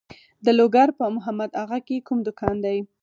د لوګر په محمد اغه کې کوم کان دی؟